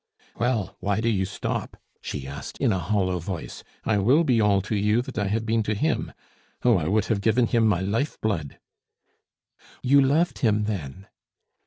"Well, why do you stop?" she asked in a hollow voice. "I will be all to you that I have been to him. Oh, I would have given him my life blood!" "You loved him then?"